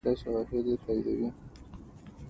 احمد خپل سیال ته پتون وواهه.